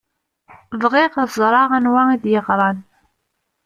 Bɣiɣ ad ẓṛeɣ anwa i d-yeɣṛan.